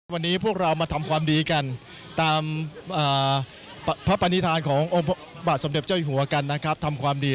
วันนี้พวกเรามาทำความดีกันตามพระปนิธานของบาทสำเด็จเจ้าอย่างการทำความดี